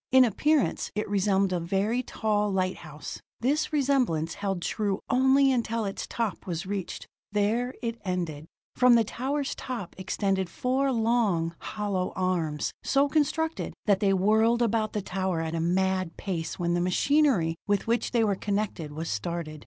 In appearance, it resembled a very tall lighthouse. This resemblance held true only until its top was reached; there it ended. From the tower's top extended four long, hollow arms, so constructed that they whirled about the tower at a mad pace when the machinery with which they were connected was started.